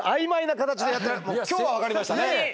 今日は分かりましたね。